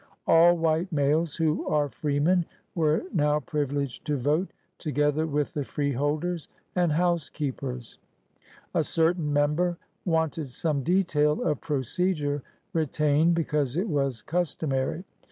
All white males who are freemen were now privil^ed to vote, together with the freeholders and housekeepers." NATHANIEL BACON 169 A certam member wanted some detail of pro cedure retained because it was customary.